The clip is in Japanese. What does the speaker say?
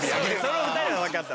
その２人は分かったわ。